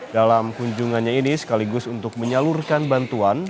dalam kunjungannya ini sekaligus untuk menyalurkan bantuan